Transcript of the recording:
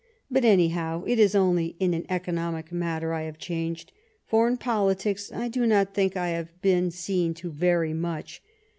But, anyhow, it is only in an economic matter I have changed ; for, in politics, I do not think I have been seen to vary much